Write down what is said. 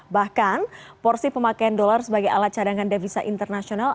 bahkan porsi pemakaian dolar sebagai alat cadangan devisa internasional